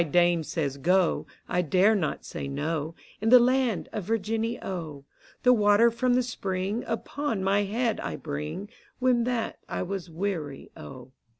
Dame says, Go, I dare not say no, In the land of Virginny, O: The water from the spring Upon my head I bring, When that I was weary, O.